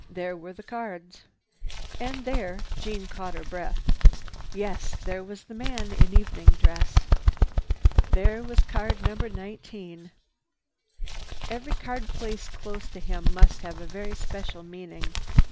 There were the cards. And there—Jeanne caught her breath. Yes, there was the man in evening dress. There was card number 19. Every card placed close to him must have a very special meaning.